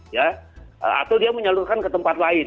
ya atau dia menyalurkan ke tempat lain